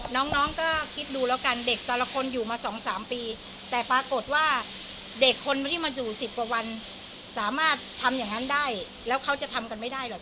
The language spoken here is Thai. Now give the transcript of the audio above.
น้องก็คิดดูแล้วกันเด็กแต่ละคนอยู่มา๒๓ปีแต่ปรากฏว่าเด็กคนที่มาอยู่๑๐กว่าวันสามารถทำอย่างนั้นได้แล้วเขาจะทำกันไม่ได้หรอก